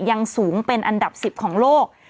ยังสูงเป็นอันดับ๑๐ของโลก